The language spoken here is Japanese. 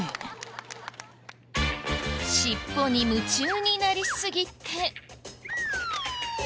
尻尾に夢中になりすぎて。